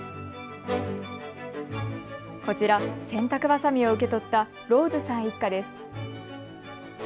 こちら、洗濯ばさみを受け取ったロウズさん一家です。